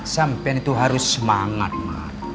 sampian itu harus semangat mak